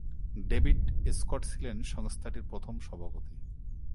David Scott ছিলেন সংস্থাটির প্রথম সভাপতি।